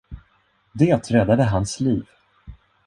Det räddade hans liv.